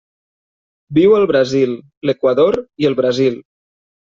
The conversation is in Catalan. Viu al Brasil, l'Equador i el Brasil.